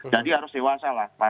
jadi harus dewasa lah